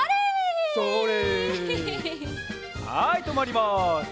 はいとまります。